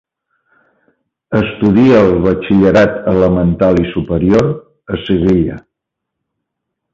Estudia el batxillerat elemental i superior a Sevilla.